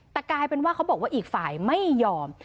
แต่กลายเป็นว่าเขาบอกว่าอีกฝ่ายไม่ยอม